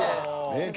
名曲。